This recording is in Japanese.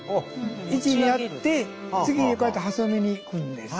位置にやって次にこうやって挟みにいくんです。